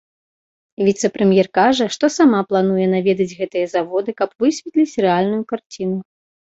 Віцэ-прэм'ер кажа, што сама плануе наведаць гэтыя заводы, каб высветліць рэальную карціну.